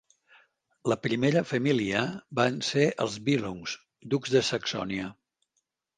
La primera família van ser els Billungs, ducs de Saxònia.